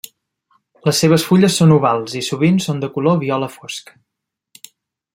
Les seves fulles són ovals i sovint són de color viola fosc.